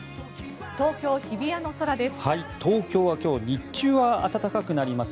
東京・日比谷の空です。